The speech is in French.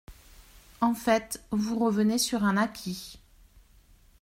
En fait, vous revenez sur un acquis.